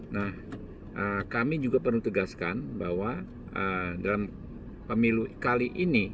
nah kami juga perlu tegaskan bahwa dalam pemilu kali ini